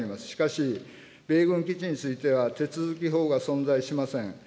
しかし、米軍基地については、手続法が存在しません。